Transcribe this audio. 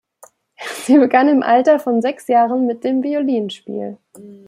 Sie begann im Alter von sechs Jahren mit dem Violinspiel.